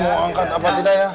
mau angkat apa tidak ya